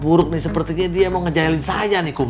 buruk nih sepertinya dia mau ngejahelin saya nih kum